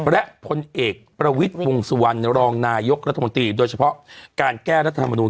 และพลเอกประวิทย์วงสุวรรณรองนายกรัฐมนตรีโดยเฉพาะการแก้รัฐมนุน